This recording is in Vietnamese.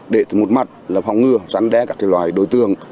để một mặt là phòng ngừa rắn đe các loài đối tường